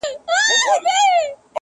توري پښې توري مشوکي بد مخونه!!